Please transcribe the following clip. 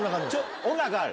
音楽ある？